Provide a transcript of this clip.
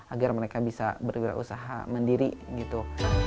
agar mereka bisa berusaha mendiri gitu